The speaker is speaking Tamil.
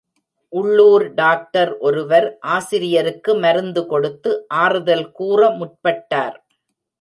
உள்ளூர் டாக்டர் ஒருவர், ஆசிரியருக்கு மருந்து கொடுத்து, ஆறுதல் கூற முற்பட்டார்.